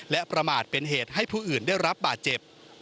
และประมาทเป็นเหตุให้ผู้อื่นได้รับบาดเจ็บ